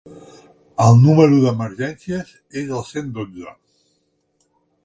El número d'emergències és el cent dotze.